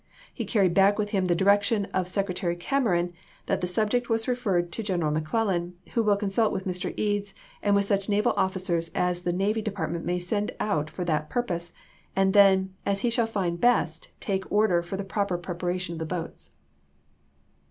He carried back with him the direction of Secretary Cameron, that the subject was referred " to General McClellan, who will con sult with Mr. Eads and with such naval officers as the Navy Department may send out for that pur cameron, posc, and thcu, as he shall find best, take order for i^isei. MS. the proper preparation of the boats."